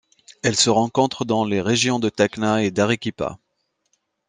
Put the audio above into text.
Elle se rencontre dans les régions de Tacna et d'Arequipa.